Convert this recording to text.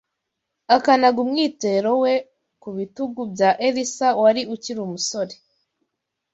akanaga umwitero we ku bitugu bya Elisa wari ukiri umusore